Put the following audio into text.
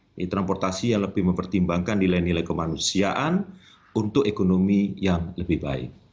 ini transportasi yang lebih mempertimbangkan nilai nilai kemanusiaan untuk ekonomi yang lebih baik